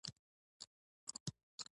غوا د کرهڼې لپاره مهم حیوان دی.